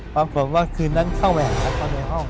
ปรากฏว่าคืนนั้นเข้าไปหาเขาในห้อง